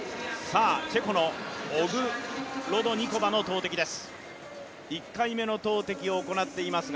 チェコのオグロドニコバの投てきです。